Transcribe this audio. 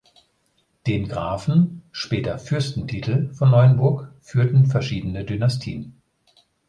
Den Grafen-, später Fürstentitel von Neuenburg führten verschiedene Dynastien.